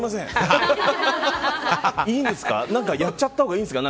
いいんですか。